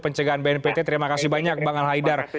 pencegahan bnpt terima kasih banyak bang alhaidar